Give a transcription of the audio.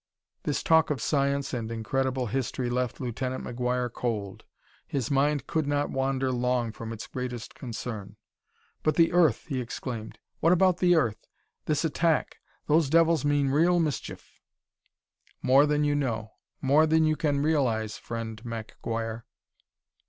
This talk of science and incredible history left Lieutenant McGuire cold. His mind could not wander long from its greatest concern. "But the earth!" he exclaimed. "What about the earth? This attack! Those devils mean real mischief!" "More than you know; more than you can realize, friend Mack Guire!"